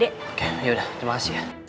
oke yaudah terima kasih